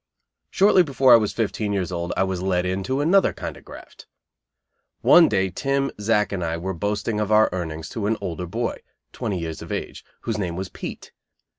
Shortly before I was fifteen years old I was "let in" to another kind of graft. One day Tim, Zack and I were boasting of our earnings to an older boy, twenty years of age, whose name was Pete.